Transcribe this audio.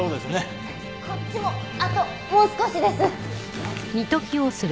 こっちもあともう少しです。